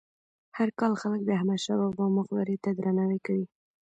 هر کال خلک د احمد شاه بابا مقبرې ته درناوی کوي.